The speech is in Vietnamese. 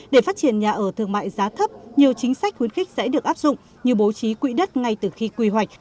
để phát triển nhà ở thương mại giá thấp nhiều chính sách khuyến khích sẽ được áp dụng như bố trí quỹ đất ngay từ khi quy hoạch